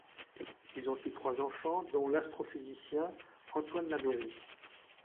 Ils ont eu trois enfants, dont l'astrophysicien Antoine Labeyrie.